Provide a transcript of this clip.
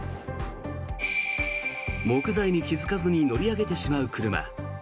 木材に気付かずに乗り上げてしまう車。